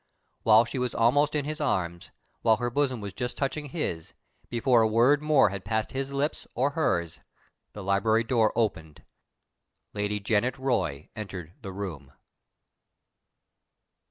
While she was almost in his arms, while her bosom was just touching his, before a word more had passed his lips or hers, the library door opened. Lady Janet Roy entered the room.